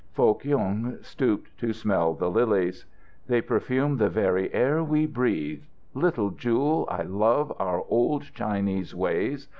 Foh Kyung stooped to smell the lilies. "They perfume the very air we breathe. Little Jewel, I love our old Chinese ways.